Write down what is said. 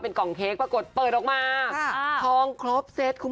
ทองครอบเซตคุณผู้ชม